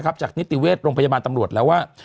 นะครับจากนิติเวทย์โรงพยาบาลตำรวจแล้วว่า